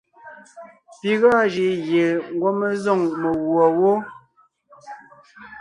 Pi gɔɔn jʉʼ gie ngwɔ́ mé zôŋ meguɔ wó.